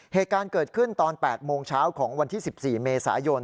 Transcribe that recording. เหตุการณ์เกิดขึ้นตอน๘โมงเช้าของวันที่๑๔เมษายน